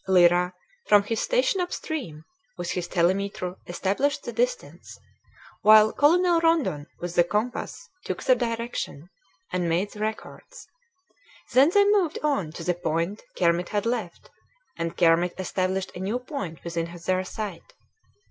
Lyra, from his station up stream, with his telemetre established the distance, while Colonel Rondon with the compass took the direction, and made the records. Then they moved on to the point Kermit had left, and Kermit established a new point within their sight.